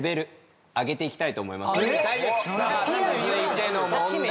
続いての問題